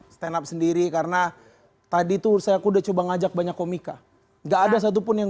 stand up sendiri karena tadi tuh saya kuda coba ngajak banyak komika enggak ada satupun yang